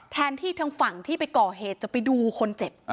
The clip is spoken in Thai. แทนที่ทางฝั่งที่ไปก่อเหตุจะไปดูคนเจ็บ